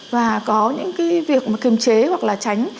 và có những cái việc kiểm chế hoặc là tránh